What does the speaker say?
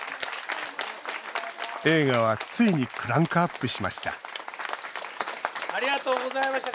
映画はついにクランクアップしました。